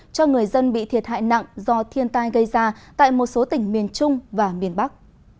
cho người dân bị thiệt hại nặng do thiên tai gây ra tại một số tỉnh miền trung và miền bắc